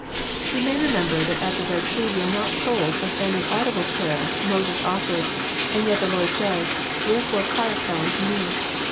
We may remember that at the Red Sea we are not told of any audi ble prayer Moses olTered, and yet the Lord says, " Wherefore criest thou unto Me